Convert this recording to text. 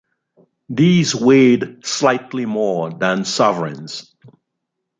These weighed slightly more than sovereigns.